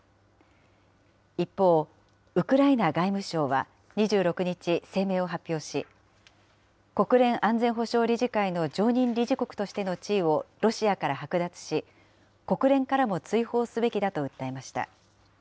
一方、ウクライナ外務省は２６日、声明を発表し、国連安全保障理事会の常任理事国としての地位をロシアからはく奪し、国連からも追放すべきだと訴えました。